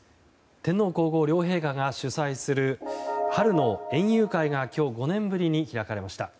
天皇・皇后両陛下が主催する春の園遊会が今日、５年ぶりに開かれました。